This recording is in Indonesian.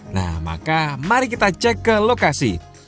nah maka mari kita cek ke lokasi